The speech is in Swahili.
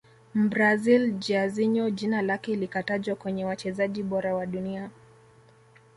mbrazil Jairzinho jina lake likatajwa kwenye wachezaji bora wa dunia